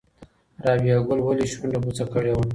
رابعه ګل ولې شونډه بوڅه کړې وه؟